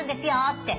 って。